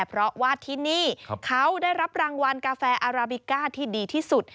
เพราะว่าที่นี่เขาได้รับรางวัลกาแฟอาราบิก้าที่ดีที่สุด